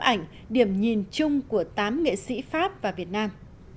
ảnh điểm nhìn chung của tám nghệ sĩ pháp và việt nam